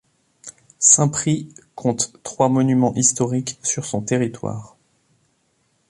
Saint-Prix compte trois monuments historiques sur son territoire.